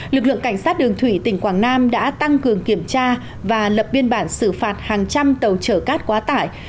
lực lượng cảnh sát đường thủy tỉnh quảng nam đã tăng cường kiểm tra và lập biên bản xử phạt hàng trăm tàu chở cát quá tải